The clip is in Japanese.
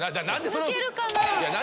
抜けるかな？